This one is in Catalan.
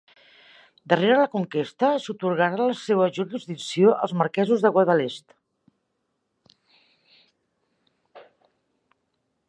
Darrere la conquesta, s'atorgarà la seua jurisdicció als marquesos de Guadalest.